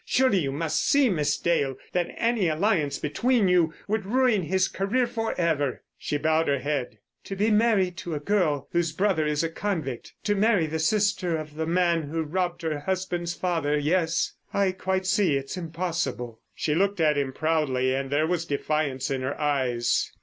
Surely you must see, Miss Dale, that any alliance between you would ruin his career for ever." She bowed her head. "To be married to a girl whose brother is a convict. To marry the sister of the man who robbed her husband's father. Yes, I quite see it's impossible." She looked at him proudly and there was defiance in her eyes.